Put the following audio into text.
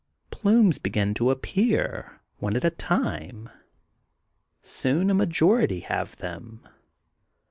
Plumes begin to appear one at a time. Soon a majority have them.